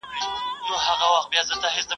د خلګو د احساساتو د تبادلې اړتیا سته.